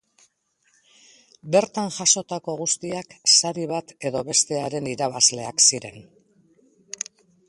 Bertan jasotako guztiak sari bat edo bestearen irabazleak ziren.